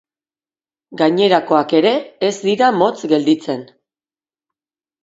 Gainerakoak ere ez dira motz gelditzen.